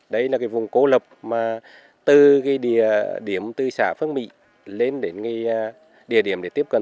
đây là cái vùng cô lập mà từ cái địa điểm tư xã phương mỹ lên đến cái địa điểm để tiếp cận